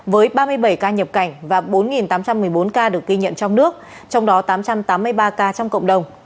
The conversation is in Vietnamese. với ba mươi bảy ca nhập cảnh và bốn tám trăm một mươi bốn ca được ghi nhận trong nước trong đó tám trăm tám mươi ba ca trong cộng đồng